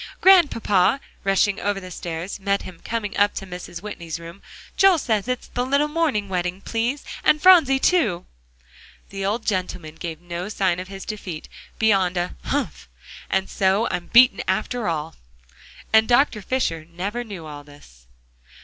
"Grandpapa," Polly rushing over the stairs, met him coming up to Mrs. Whitney's room, "Joel says it's the little morning wedding please; and Phronsie too!" The old gentleman gave no sign of his defeat, beyond a "Humph! and so I'm beaten, after all!" And Dr. Fisher never knew all this.